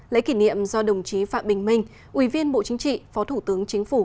lễ kỷ niệm do đồng chí phạm bình minh ủy viên bộ chính trị phó thủ tướng chính phủ